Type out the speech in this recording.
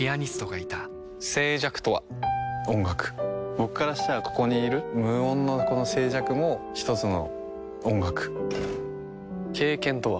僕からしたらここにいる無音のこの静寂も一つの音楽経験とは？